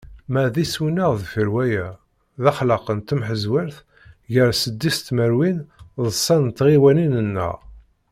Ma d iswi-nneɣ deffir waya, d axlaq n temḥezwert gar seddis tmerwin d ṣa n tɣiwanin-nneɣ.